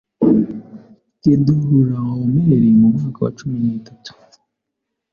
Kedorulawomeri mu mwaka wa cumi n itatu